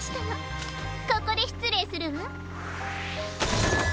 ここでしつれいするわ。